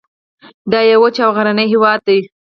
دا یو وچ او غرنی هیواد دی